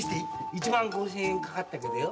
１万５，０００円かかったけどよ。